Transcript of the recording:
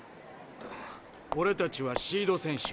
オレたちはシード選手。